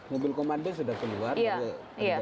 mobil komando sudah keluar